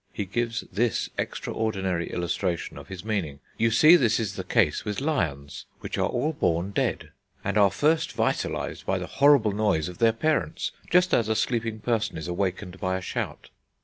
He gives this extraordinary illustration of his meaning: "You see this is the case with lions, which are all born dead, and are first vitalised by the horrible noise of their parents, just as a sleeping person is awakened by a shout."